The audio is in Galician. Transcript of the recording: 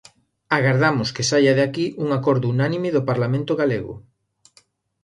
Agardamos que saia de aquí un acordo unánime do Parlamento galego.